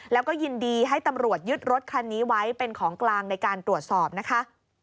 แล้วก็ยินดีให้ตำรวจยึดรถคันนี้ไว้เป็นของกลางในการตรวจสอบนะคะ